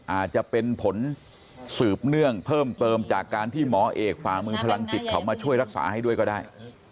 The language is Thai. อาจจะเป็นผลสืบเนื่องเพิ่มเติมจากการที่หมอเอกฝ่ามือพลังจิตเขามาช่วยรักษาให้ด้วยก็ได้